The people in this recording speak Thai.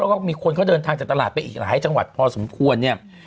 แล้วก็มีคนเขาเดินทางจากตลาดไปอีกหลายจังหวัดพอสมควรเนี่ย